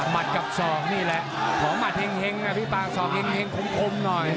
มัดกับศอกนี่แหละของมัดเฮงศอกเฮงขมหน่อย